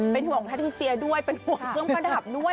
เป็นห่วงแพทิเซียด้วยเป็นห่วงเครื่องประดับด้วย